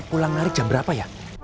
pulang narik jam berapa ya